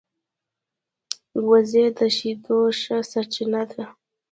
وزې د شیدو ښه سرچینه ده